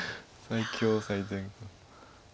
最強最善。